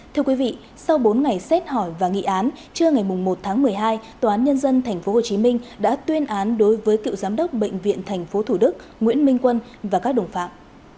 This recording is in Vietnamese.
thưa quý vị sau bốn ngày xét hỏi và nghị án trưa ngày một tháng một mươi hai tòa án nhân dân tp hcm đã tuyên án đối với cựu giám đốc bệnh viện tp thủ đức nguyễn minh quân và các đồng phạm